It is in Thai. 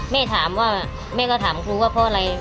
แม่ถามว่าแม่ก็ถามครูว่าเพราะอะไร